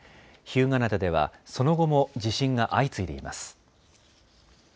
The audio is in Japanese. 日向灘ではその後も地震が相次いでいます。